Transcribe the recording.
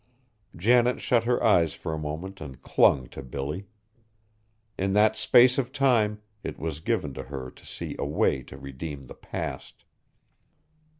Janet shut her eyes for a moment and clung to Billy. In that space of time it was given to her to see a way to redeem the past.